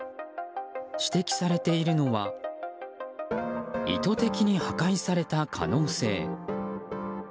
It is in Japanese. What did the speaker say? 指摘されているのは意図的に破壊された可能性。